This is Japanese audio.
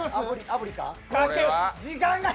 あぶりか？